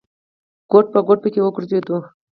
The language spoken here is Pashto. ګوټ په ګوټ پکې وګرځېدو.